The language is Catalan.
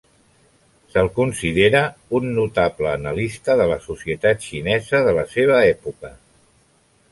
Se'l considera un notable analista de la societat xinesa de la seva època.